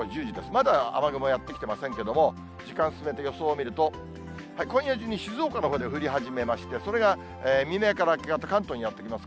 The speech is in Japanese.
まだ雨雲やって来てませんけども、時間進めて予想を見ると、今夜中に静岡のほうで降り始めまして、それが未明から明け方、関東にやって来ます。